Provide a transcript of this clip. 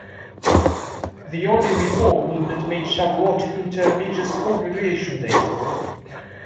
The early Reform movement made Shavuot into a religious school graduation day.